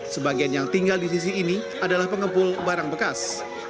sebagian yang tinggal di sisi ini adalah pengepul barang bekas